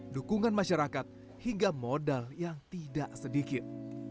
dukungan masyarakat hingga modal yang tidak sedikit